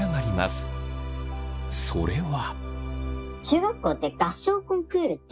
それは。